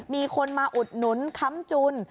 มีคนมาอุดหนุนค้ำจุน